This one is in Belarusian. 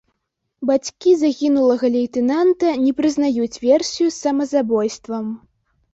Бацькі загінулага лейтэнанта не прызнаюць версію з самазабойствам.